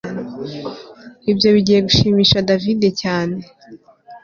Ibyo bigiye gushimisha David cyane